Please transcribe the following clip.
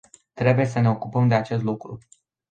Trebuie să ne ocupăm de acest lucru.